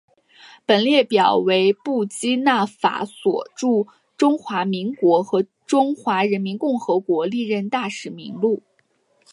本列表为布基纳法索驻中华民国和中华人民共和国历任大使名录。